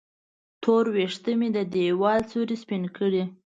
تور وېښته مې د دیوال سیورې سپین کړي